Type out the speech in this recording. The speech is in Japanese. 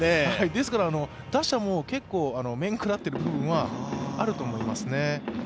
ですから打者も結構、面食らっている部分はあると思いますね。